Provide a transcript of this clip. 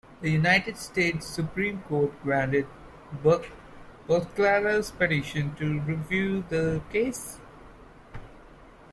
The United States Supreme Court granted Buchalter's petition to review the case.